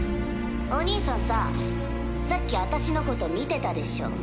おにいさんささっき私のこと見てたでしょ？